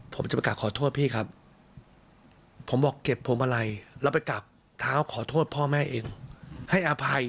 ผมจะไปกลับขอโทษพี่ครับผมบอกเก็บพวงมาลัยแล้วไปกราบเท้าขอโทษพ่อแม่เองให้อภัย